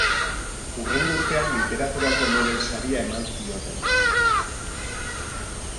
Hurrengo urtean Literaturako Nobel Saria eman zioten.